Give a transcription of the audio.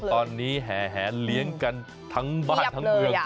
โอ้โหตอนนี้แหละเหลี้ยงกันทั้งบ้านทั้งเมืองเรียบเลย